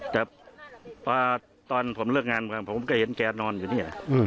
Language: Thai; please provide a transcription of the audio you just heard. แต่ตอนผมเลิกงานเหมือนกันผมก็เห็นแกนอนอยู่ด้วย